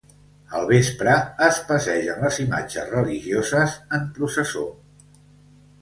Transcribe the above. Al vespre es passegen les imatges religioses en processó.